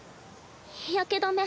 日焼け止め